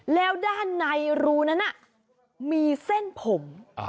แล้วด้านในรูนั้นมีเส้นผม